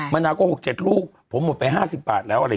มะนาวก็๖๗ลูกผมหมดไป๕๐บาทแล้ว